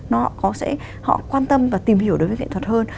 họ sẽ quan tâm và tìm hiểu đối với nghệ thuật hơn